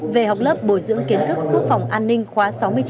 về học lớp bồi dưỡng kiến thức quốc phòng an ninh khóa sáu mươi chín